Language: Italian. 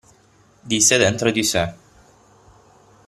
Disse dentro di sé.